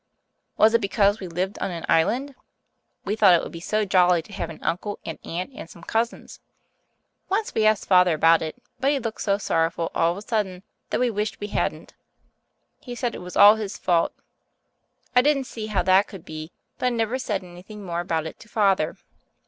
Was it because we lived on an island? We thought it would be so jolly to have an uncle and aunt and some cousins. Once we asked Father about it, but he looked so sorrowful all of a sudden that we wished we hadn't. He said it was all his fault. I didn't see how that could be, but I never said anything more about it to Father.